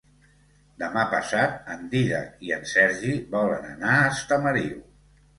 Demà passat en Dídac i en Sergi volen anar a Estamariu.